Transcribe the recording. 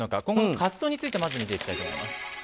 今後の活動についてまず、見ていきます。